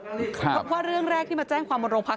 เพราะว่าเรื่องแรกที่มาแจ้งความบนโรงพัก